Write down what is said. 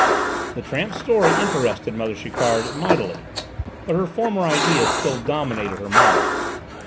The tramp's story interested mother Chiquard mightily, but her former idea still dominated her mind.